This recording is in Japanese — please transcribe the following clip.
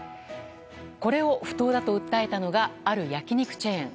これを不当だと訴えたのがある焼き肉チェーン。